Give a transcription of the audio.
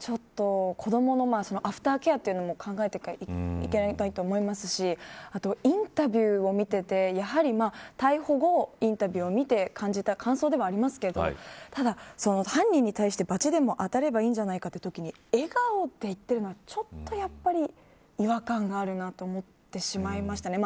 子どものアフターケアも考えなきゃいけないと思いますしインタビューを見ていて逮捕後のインタビューを見て感じた感想ですがただ、犯人に対して罰でも当たればいいんじゃないかというときに笑顔で言ってるのはちょっとやっぱり違和感があるなと思ってしまいましたね。